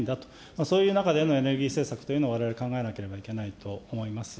そういう中でのエネルギー政策というのを、われわれ考えなければいけないと思います。